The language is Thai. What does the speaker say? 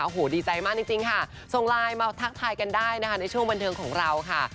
โอ้โหดีใจมากจริงค่ะส่งไลน์มาทักทายกันได้นะคะในช่วงบันเทิงของเราค่ะ